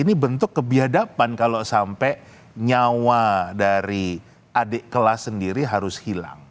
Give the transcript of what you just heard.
ini bentuk kebiadaban kalau sampai nyawa dari adik kelas sendiri harus hilang